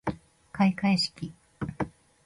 開会式